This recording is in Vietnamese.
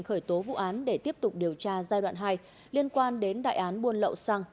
khởi tố vụ án để tiếp tục điều tra giai đoạn hai liên quan đến đại án buôn lậu xăng